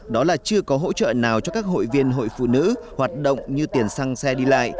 đó là chưa có hỗ trợ nào cho các hội viên hội phụ nữ hoạt động như tiền xăng xe đi lại